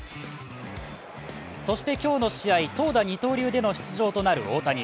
そして今日の試合、投打二刀流での出場となる大谷。